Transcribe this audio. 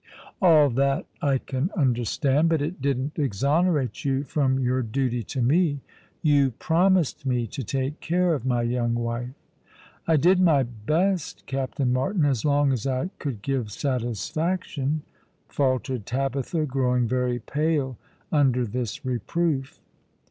" All that I can understand ; but it didn't exonerate you from your duty to me. You promised me to take care of my young wife." "I did my best, Captain Martin, as long as I could give satisfaction," faltered Tabitha, growing very pale under this reproof.